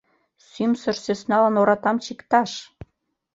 — Сӱмсыр сӧсналан оратам чикташ!